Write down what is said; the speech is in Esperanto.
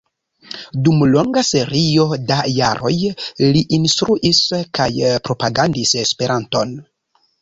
Dum longa serio da jaroj li instruis kaj propagandis Esperanton.